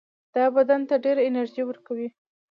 دا بدن ته ډېره انرژي ورکوي.